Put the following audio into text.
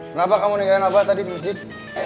kenapa kamu ninggalin abah tadi di masjid